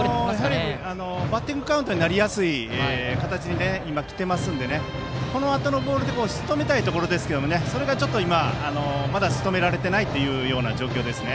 やはりバッティングカウントになりやすい形で来ているのでこのあとのボールでしとめたいところですがまだしとめられてない状況です。